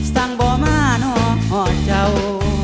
สั่งบ่มะนอกเขาเจ้า